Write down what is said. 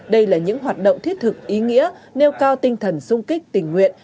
đây là những hoạt động thiết thực ý nghĩa nêu cao tinh thần sung kích tình nguyện